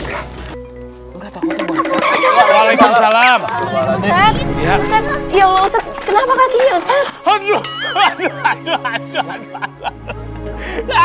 ya allah ustadz kenapa kaki ustadz